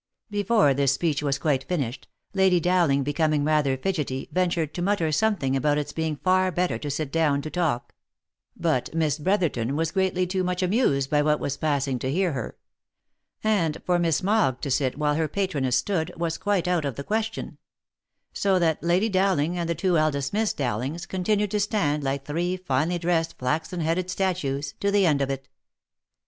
Before this speech was quite finished, Lady Dowling becoming rather fidgetty, ventured to mutter something about its being far OF MICHAEL ARMSTRONG. 61 better to sit down to talk ; but Miss Brothertoii was greatly too much amused by what was passing to hear her; and for Miss Mogg to sit while her patroness stood, was quite out of the question; so that Lady Dowling, and the too eldest Miss Dowlings, continued to stand like three finely dressed flaxen headed statues, to the end of it.